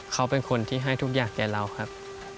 เขาเป็นคนที่ให้ทุกอย่างแก่เราครับ